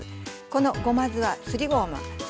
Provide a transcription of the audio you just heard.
このごま酢はすりごま